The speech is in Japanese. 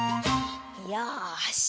よし！